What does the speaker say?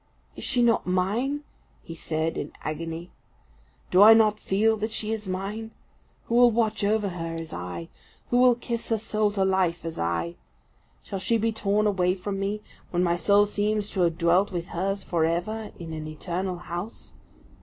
"Is she not mine?" he said, in agony. "Do I not feel that she is mine? Who will watch over her as I? Who will kiss her soul to life as I? Shall she be torn away from me, when my soul seems to have dwelt with hers for ever in an eternal house?